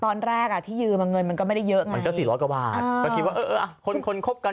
ตอนแรกอ่ะที่ยืมเงินมันก็ไม่ได้เยอะไงมันก็๔๐๐กว่าบาท